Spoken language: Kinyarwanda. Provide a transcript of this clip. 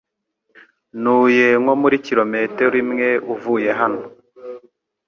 Ntuye nko muri kilometero imwe uvuye hano .